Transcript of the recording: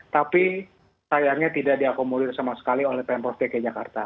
tapi sayangnya tidak diakomodir sama sekali oleh pemprov dki jakarta